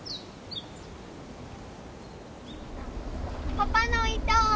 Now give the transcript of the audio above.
パパの糸！